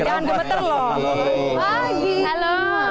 jangan gemeter loh